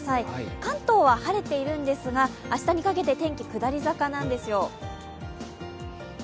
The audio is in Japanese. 関東は晴れているんですが明日にかけて天気、下り坂なんですよ。